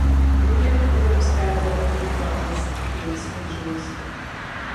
Kdy bude mít Evropská rada takový záblesk jasnozřivosti?